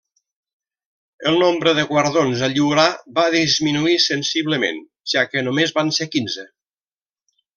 El nombre de guardons a lliurar va disminuir sensiblement, ja que només van ser quinze.